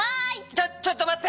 ちょちょっとまって！